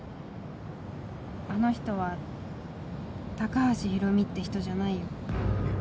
あの人は高橋博美って人じゃないよ。えっ？